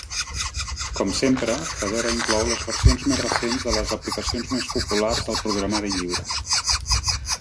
Com sempre, Fedora inclou les versions més recents de les aplicacions més populars del programari lliure.